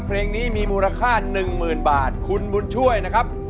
เพลงนี้มีมูลค่าหนึ่งหมื่นบาทคุณบุญช่วยนะครับ